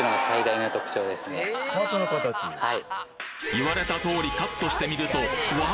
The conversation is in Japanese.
言われた通りカットしてみるとワォ！